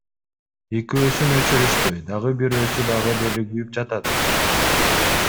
Экөөсүн өчүрүштү, дагы бирөөсү дагы деле күйүп жатат.